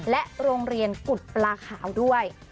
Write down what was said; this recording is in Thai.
และโรงเรียนกุฎปลาขาวด้วย